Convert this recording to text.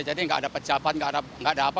jadi enggak ada pecahkan enggak ada apa